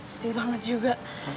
sepi banget juga